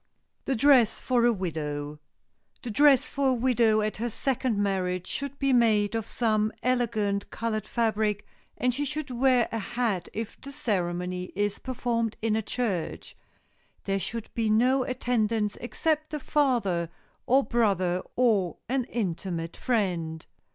[Sidenote: THE DRESS FOR A WIDOW] The dress for a widow at her second marriage should be made of some elegant colored fabric and she should wear a hat if the ceremony is performed in a church. There should be no attendants except the father or brother or an intimate friend.